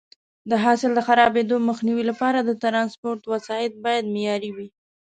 د حاصل د خرابېدو مخنیوي لپاره د ټرانسپورټ وسایط باید معیاري وي.